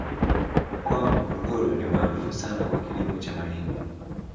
mkoa wa morogoro ni maarufu sana kwa kilimo cha mahindi